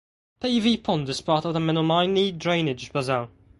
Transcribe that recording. Peavy Pond is part of the Menominee Drainage Basin.